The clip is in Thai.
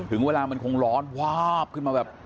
ถึงเวลามันคงร้อนวาบขึ้นมาแบบ